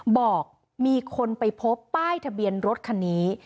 บอกมีคนไปพบป้ายทะเบียนรถคันนี้